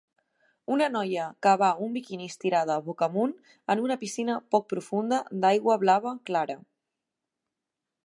Una noia que va un biquini estirada boca amunt en una piscina poc profunda d'aigua blava clara.